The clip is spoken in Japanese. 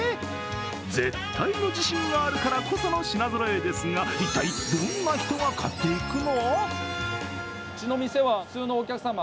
絶対の自信があるからこその品ぞろえですが、一体どんな人が買っていくの？